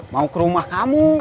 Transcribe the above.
mau ke rumah kamu